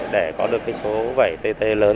để có được số vảy tê tê lớn